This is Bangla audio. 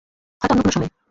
হয়তো অন্য কোনো সময়ে।